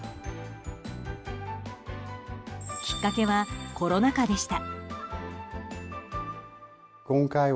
きっかけはコロナ禍でした。